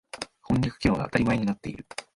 翻訳機能が当たり前になっている。